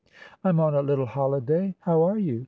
"I'm on a little holiday. How are you?